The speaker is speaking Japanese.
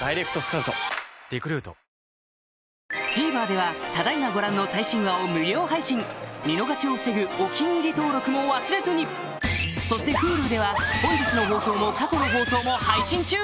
ＴＶｅｒではただ今ご覧の最新話を無料配信見逃しを防ぐ「お気に入り」登録も忘れずにそしてＨｕｌｕでは本日の放送も過去の放送も配信中！